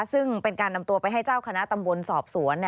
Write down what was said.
ซึ่งเป็นการนำตัวไปให้เจ้าคณะตำบลสอบสวน